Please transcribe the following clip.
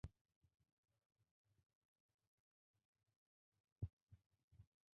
যারা দক্ষ হ্যাকার, তারা বিভিন্ন কৌশলে জেনে ডেটা লেন্থ জেনে নেয়।